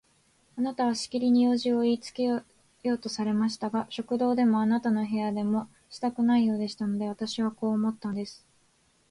あなたはしきりに用事をいいつけようとされましたが、食堂でもあなたの部屋でもしたくないようでしたので、私はこう思ったんです。